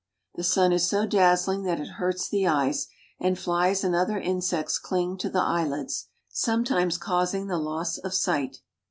The sun is so dazzling that it hurts the eyes, and fJies and other insects cling to the eyelids, sometimes causing the loss of sight.